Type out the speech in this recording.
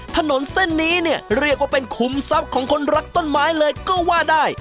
ถนนเส้นนี้เนี่ยเรียกว่าเป็นขุมทรัพย์ของคนรักต้นไม้เลยก็ว่าได้